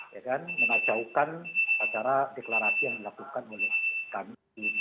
dan mengacaukan acara deklarasi yang dilakukan oleh kami